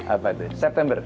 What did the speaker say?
apa itu september